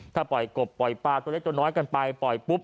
ถ้าปล่อยกบปล่อยปลาตัวเล็กตัวน้อยกันไปปล่อยปุ๊บ